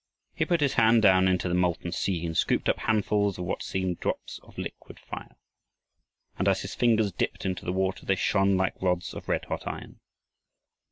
He put his hand down into the molten sea and scooped up handfuls of what seemed drops of liquid fire. And as his fingers dipped into the water they shone like rods of red hot iron.